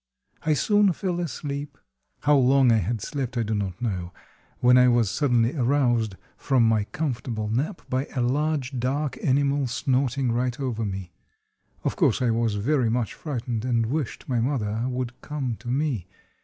I soon fell asleep. How long I had slept I do not know, when I was suddenly aroused from my comfortable nap by a large, dark animal snorting right over me. Of course, I was very much frightened and wished my mother would come to me.